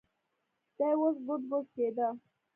دى اوس ګوډ ګوډ کېده.